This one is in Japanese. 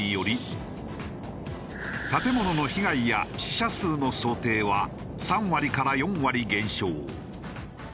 建物の被害や死者数の想定は３割から４割減少。